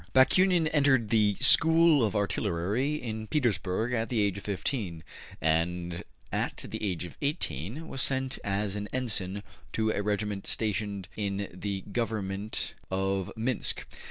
Bakunin entered the school of artillery in Petersburg at the age of fifteen, and at the age of eighteen was sent as an ensign to a regiment stationed in the Government of Minsk.